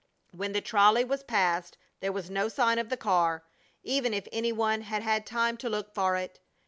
When the trolley was passed there was no sign of the car, even if any one had had time to look for it.